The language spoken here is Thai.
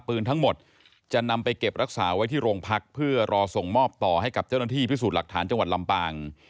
ปืนทั้งหมดจะนำไปเก็บรักษาไว้ที่โรงพักเพื่อรอส่งมอบต่อให้กับเจ้าหน้าที่พิสูจน์หลักฐานจังหวัดลำปาง